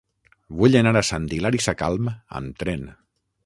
Vull anar a Sant Hilari Sacalm amb tren.